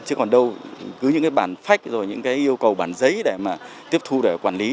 chứ còn đâu cứ những bản phách những yêu cầu bản giấy để tiếp thu để quản lý